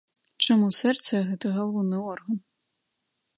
Чаму сэрца гэта галоўны орган?